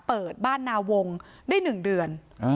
เปิดบ้านนาวงได้๑เดือน